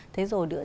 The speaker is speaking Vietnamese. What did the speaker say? thế rồi nữa